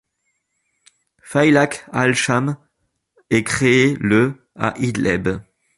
Faylaq al-Cham est créé le à Idleb.